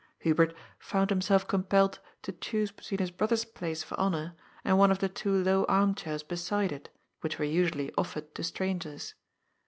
Hubert found himself compelled to choose between his brother's place of honour and one of the two low arm chairs beside it, which were usually offered to strangers..